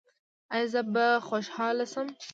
ایا زه به هم خوشحاله شم؟